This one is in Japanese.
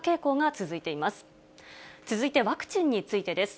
続いてワクチンについてです。